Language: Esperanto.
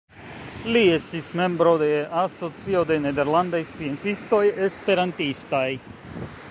Li estis membro de Asocio de Nederlandaj Sciencistoj Esperantistaj.